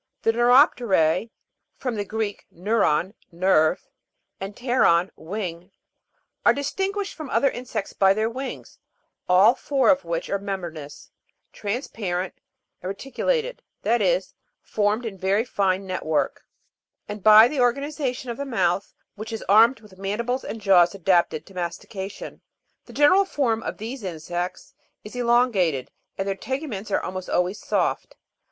The Neurop'terse (from the Greek, neuron, nerve, and pteron, wing) are distinguished from other insects by their wings, all four of which are membranous, transparent and reticulated (that is, formed in very fine net work), and by the organization of the mouth, which is armed with mandibles and jaws adapted to mastication (fig. 41). 11. The general form of these insects is elongated, and their teguments almost always soft.